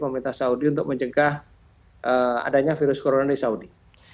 pemerintah saudi untuk mencegah adanya virus corona di saudi